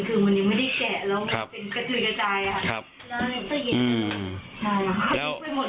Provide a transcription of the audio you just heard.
คือวันนี้ไม่ได้แกะแล้วเป็นกระถือกะจายค่ะ